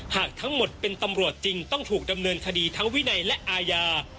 หากทั้งหมดเป็นตำรวจจริงต้องถูกดำเนินคดีทั้งวินัยและอาญา